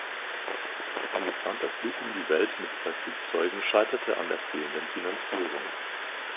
Ein geplanter Flug um die Welt mit zwei Flugzeugen scheiterte an der fehlenden Finanzierung.